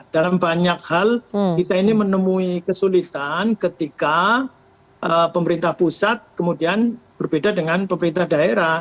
dalam banyak hal kita ini menemui kesulitan ketika pemerintah pusat kemudian berbeda dengan pemerintah daerah